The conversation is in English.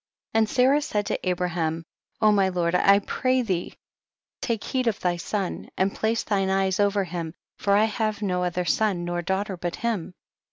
10. And Sarah said to Abraham, my lord, I pray thee take heed of thy son, and place thine eyes over him, for I have no other son nor daughter but him.